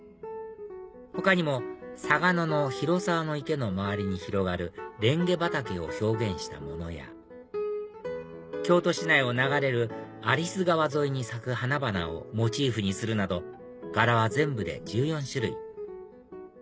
他にも嵯峨野の広沢池の周りに広がるレンゲ畑を表現したものや京都市内を流れる有栖川沿いに咲く花々をモチーフにするなど柄は全部で１４種類